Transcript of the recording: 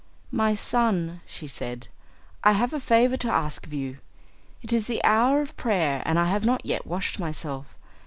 "My son," she said, "I have a favour to ask of you. It is the hour of prayer and I have not yet washed myself.